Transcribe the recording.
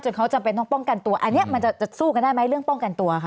เขาจำเป็นต้องป้องกันตัวอันนี้มันจะสู้กันได้ไหมเรื่องป้องกันตัวค่ะ